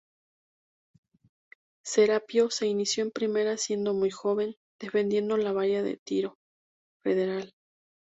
Serapio se inició en primera siendo muy joven, defendiendo la valla de Tiro Federal.